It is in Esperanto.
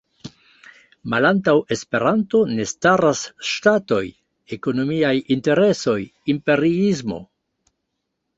Malantaŭ Esperanto ne staras ŝtatoj, ekonomiaj interesoj, imperiismo.